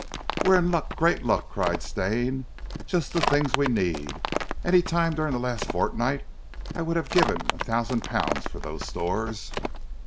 "We're in luck, great luck!" cried Stane. "Just the things we need. Any time during the last fortnight I would have given a thousand pounds for those stores."